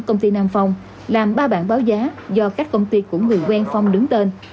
công ty nam phong làm ba bảng báo giá do các công ty của người quen phong đứng tên